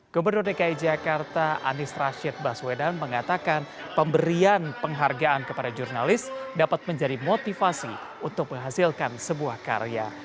gubernur dki jakarta anies rashid baswedan mengatakan pemberian penghargaan kepada jurnalis dapat menjadi motivasi untuk menghasilkan sebuah karya